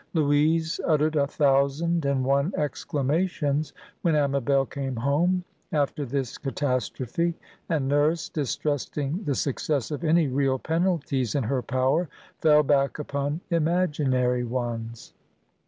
Louise uttered a thousand and one exclamations when Amabel came home after this catastrophe; and Nurse, distrusting the success of any real penalties in her power, fell back upon imaginary ones.